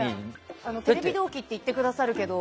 テレビ同期って言ってくださるけど。